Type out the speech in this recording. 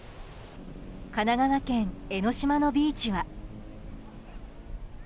神奈川県江の島のビーチは。